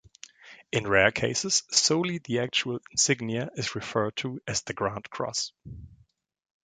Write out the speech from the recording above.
In rare cases, solely the actual insignia is referred to as the "grand cross".